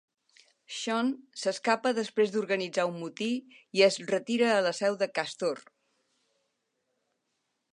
Sean s'escapa després d'organitzar un motí i es retira a la seu de Castor.